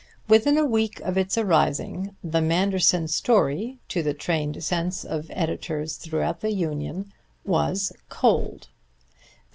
Within a week of its arising "the Manderson story," to the trained sense of editors throughout the Union, was "cold."